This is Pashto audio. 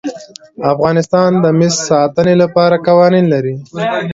افغانستان د مس د ساتنې لپاره قوانین لري.